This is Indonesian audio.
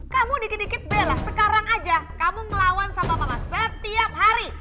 kamu dikit dikit bela sekarang aja kamu melawan sama mama setiap hari